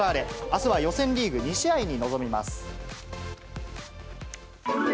あすは予選リーグ２試合に臨みます。